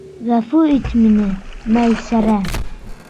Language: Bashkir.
Ғәфү ит мине, Мәйсәрә...